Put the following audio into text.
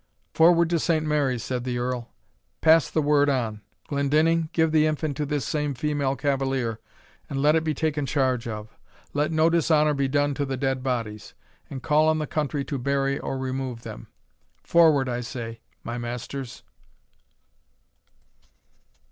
"Forward to Saint Mary's," said the Earl; "pass the word on Glendinning, give the infant to this same female cavalier, and let it be taken charge of. Let no dishonour be done to the dead bodies, and call on the country to bury or remove them. Forward, I say, my masters!"